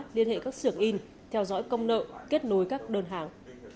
liên hệ các sưởng in theo dõi công nợ kết nối các đơn hàng